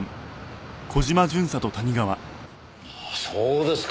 そうですか。